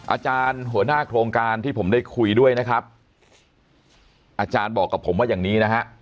อาจารย์หัวหน้าโครงการที่ผมได้คุยด้วยนะครับอาจารย์บอกกับผมว่าอย่างนี้นะฮะ